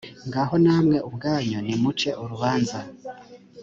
ngaho namwe ubwanyu nimuce urubanza